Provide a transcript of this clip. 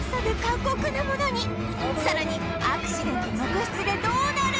さらにアクシデント続出でどうなる！？